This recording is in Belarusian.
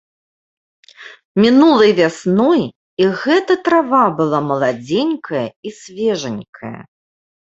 Мінулай вясной і гэта трава была маладзенькая і свежанькая.